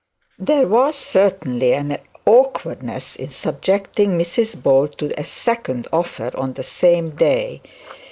There was certainly an awkwardness in subjecting Mrs Bold to a second offer on the same day.